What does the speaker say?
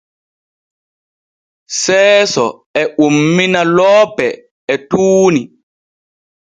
Seeso e ummina loope e tuuni.